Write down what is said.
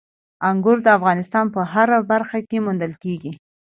انګور د افغانستان په هره برخه کې موندل کېږي.